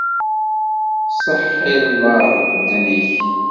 Seḥḥi llah, beden-ik!